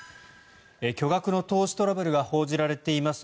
巨額の投資トラブルが報じられています